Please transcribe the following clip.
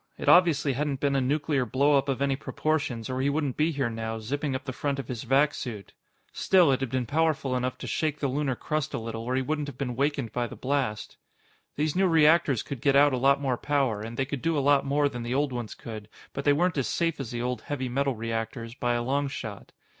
It obviously hadn't been a nuclear blow up of any proportions, or he wouldn't be here now, zipping up the front of his vac suit. Still, it had been powerful enough to shake the lunar crust a little or he wouldn't have been wakened by the blast. These new reactors could get out a lot more power, and they could do a lot more than the old ones could, but they weren't as safe as the old heavy metal reactors, by a long shot.